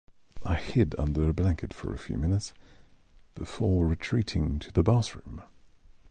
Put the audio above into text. I hid under a blanket for a few minutes before retreating to the bathroom.